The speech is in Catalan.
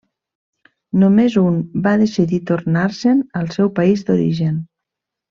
Només un va decidir tornar-se'n al seu país d'origen.